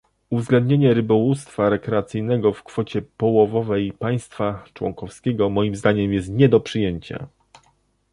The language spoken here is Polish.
Uwzględnienie rybołówstwa rekreacyjnego w kwocie połowowej państwa członkowskiego moim zdaniem jest nie do przyjęcia